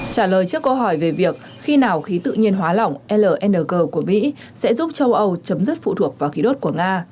trả lời trước câu hỏi về việc khi nào khí tự nhiên hóa lỏng lng của mỹ sẽ giúp châu âu chấm dứt phụ thuộc vào khí đốt của nga